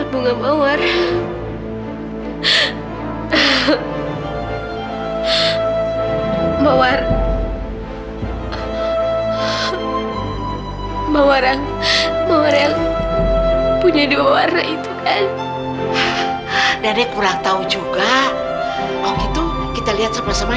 bawa orang orang yang punya dua warna itu kan dari kurang tahu juga itu kita lihat sama sama